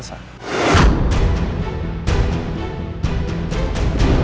ada satu orang yang mengatakan